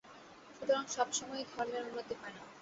সুতরাং সব সময়েই ধর্মের উন্নতি হয় না।